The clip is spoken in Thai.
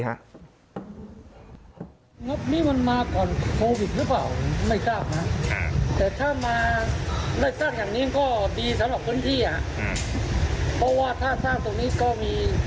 ใช่จะได้ดูว่ามันสวยงามนะครับ